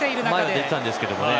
前に出てたんですけどね。